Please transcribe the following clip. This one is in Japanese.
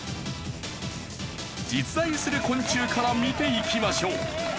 実在する昆虫から見ていきましょう。